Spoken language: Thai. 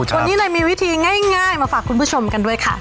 วันนี้เลยมีวิธีง่ายมาฝากคุณผู้ชมกันด้วยค่ะ